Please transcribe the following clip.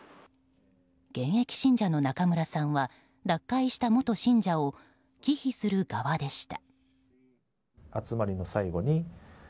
現役信者の中村さんは脱会した元信者を忌避する側でした。